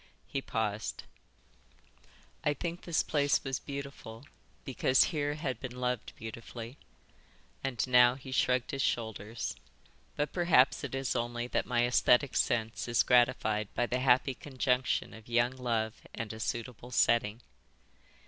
He paused. "I think this place was beautiful because here I had been loved beautifully." And now he shrugged his shoulders. "But perhaps it is only that my Êsthetic sense is gratified by the happy conjunction of young love and a suitable setting."